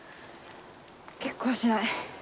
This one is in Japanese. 結婚しない！